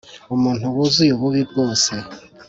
umuntu wuzuye ububi bwose